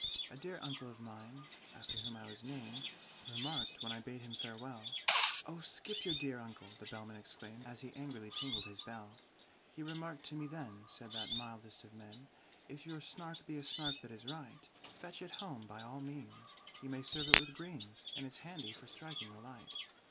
"A dear uncle of mine (after whom I was named) Remarked when I bade him farewell " "Oh, skip your dear uncle!" the Bellman exclaimed, As he angrily tingled his bell. "He remarked to me then," said that mildest of men, "'If your Snark be a Snark that is right, Fetch it home by all means you may serve it with greens, And it's handy for striking a light.